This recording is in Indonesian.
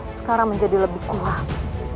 sekarang menjadi lebih kuat